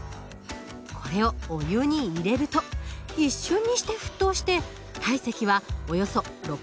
これをお湯に入れると一瞬にして沸騰して体積はおよそ６５０倍になります。